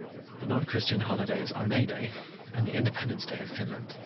The non-Christian holidays are May Day and the Independence Day of Finland.